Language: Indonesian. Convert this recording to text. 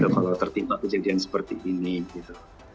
kalau tertimpa kejadian seperti ini gitu